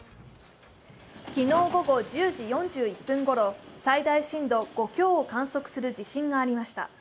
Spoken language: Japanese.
昨日午後１０時４１分ごろ最大震度５強を観測する地震がありました。